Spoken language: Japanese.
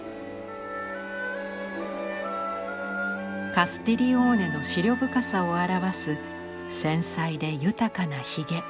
カスティリオーネの思慮深さを表す繊細で豊かなひげ。